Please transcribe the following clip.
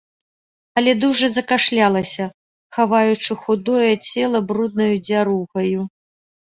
Але дужа закашлялася, хаваючы худое цела бруднаю дзяругаю.